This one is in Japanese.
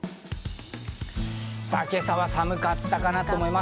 さあ、今朝は寒かったかなと思います。